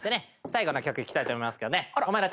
最後の曲いきたいと思いますけどね。